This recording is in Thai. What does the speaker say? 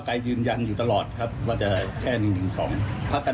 ผมว่าสมาชิวภิษฐาพร้อมที่จะสนับสนุนแล้วก็เอ่อเห็นชอบได้นะครับ